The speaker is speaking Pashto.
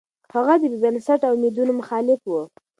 هغه د بې بنسټه اميدونو مخالف و.